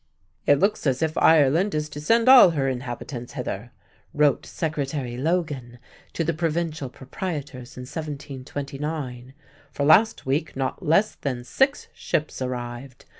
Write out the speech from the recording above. "It looks as if Ireland is to send all her inhabitants hither," wrote Secretary Logan to the provincial proprietors in 1729, "for last week not less than six ships arrived.